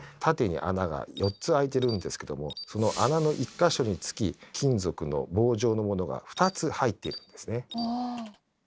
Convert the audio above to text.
縦に穴が４つ開いてるんですけどもその穴の１か所につき金属の棒状のものが２つ入っているんですね。